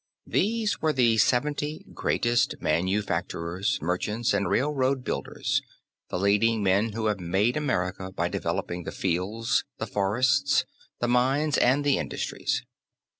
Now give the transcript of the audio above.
These were the seventy greatest manufacturers, merchants and railroad builders, the leading men who have made America by developing the fields, the forests, the mines and the industries.